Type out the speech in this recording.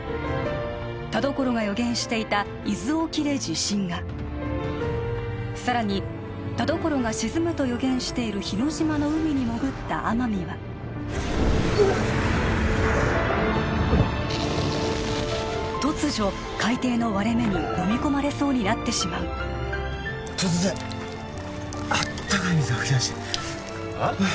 田所が予言していた伊豆沖で地震が更に田所が沈むと予言している日之島の海に潜った天海はうわっ突如海底の割れ目に飲み込まれそうになってしまう突然あったかい水が噴き出してあ？